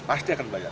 pasti akan dibayar